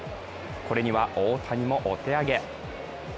これには大谷もお手上げ。